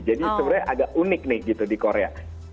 jadi sebenarnya agak unik nih gitu di korea